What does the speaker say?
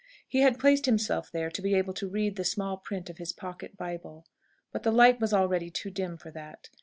He had placed himself there to be able to read the small print of his pocket bible. But the light was already too dim for that.